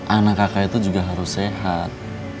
anak kakak itu juga harus sehat